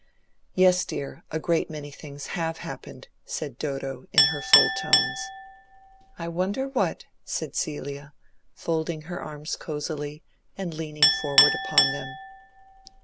"Yes, dear, a great many things have happened," said Dodo, in her full tones. "I wonder what," said Celia, folding her arms cozily and leaning forward upon them.